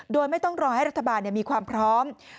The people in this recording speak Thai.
โดยไม่ต้องรอให้รัฐบาลมีความพร้อม